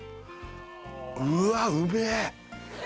うわっうめえ！